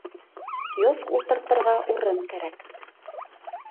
Киоск ултыртырға урын кәрәк.